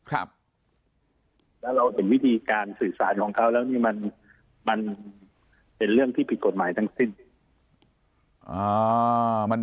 แล้วเราเห็นวิธีการสื่อสารของเขาแล้วนี่มันเป็นเรื่องที่ผิดกฎหมายทั้งสิ้น